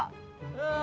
nyari penyakit lo